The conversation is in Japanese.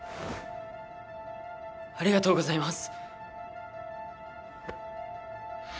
ありがとうございます！